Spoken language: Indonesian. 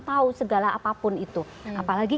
tahu segala apapun itu apalagi